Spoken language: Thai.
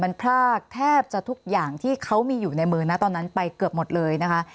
มันพรากแทบจะทุกอย่างที่เขามีอยู่ในมือนะตอนนั้นไปเกือบหมดเลยนะคะ